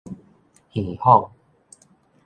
耳訪